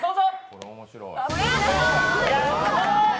これ面白い。